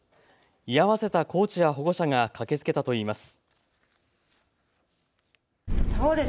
居合わせたコーチや保護者が駆けつけたといいます。